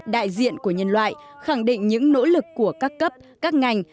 đại diện của nhân loại khẳng định những nỗ lực của các cấp các ngành